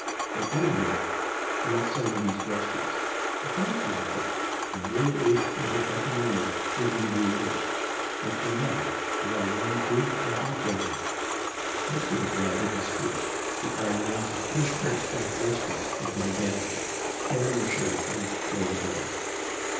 At any rate, you're not selling these groceries. Accounts will be kept, and when and if we get back to normal you'll be reimbursed, but for now we're all one, big, happy family!" Most of the crowd had dispersed. The armloads and pushcarts full of groceries had been abandoned. Ken and the Sheriff moved toward the door.